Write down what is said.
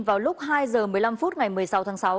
vào lúc hai h một mươi năm phút ngày một mươi sáu tháng sáu